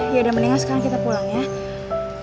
ya udah mendingan sekarang kita pulang ya